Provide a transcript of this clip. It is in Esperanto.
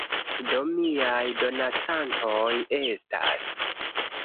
Do, miaj donacantoj estas